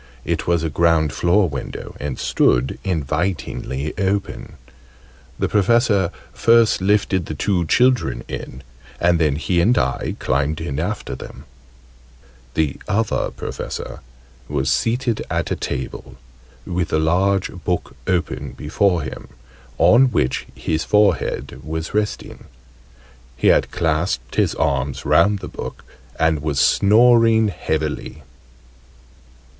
It was a ground floor window, and stood invitingly open: the Professor first lifted the two children in, and then he and I climbed in after them. {Image...The other professor} The Other Professor was seated at a table, with a large book open before him, on which his forehead was resting: he had clasped his arms round the book, and was snoring heavily.